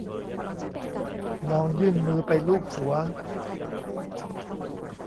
ลองยื่นมือไปลูบหัว